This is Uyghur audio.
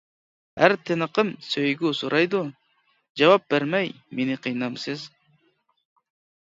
ھەر تىنىقىم سۆيگۈ سورايدۇ، جاۋاب بەرمەي مېنى قىينامسىز.